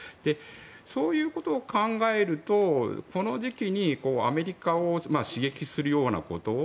そういうことを考えるとこの時期にアメリカを刺激するようなことを